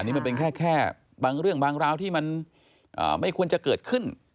นี่มันเป็นแค่บางเรื่องบางราวที่มันไม่ควรจะเกิดขึ้น